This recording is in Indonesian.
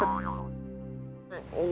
hah salah deh kok